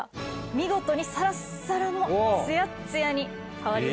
見事にサラッサラのツヤッツヤに変わりましたよね。